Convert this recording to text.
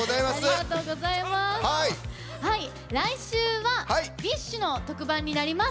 来週はＢｉＳＨの特番になります。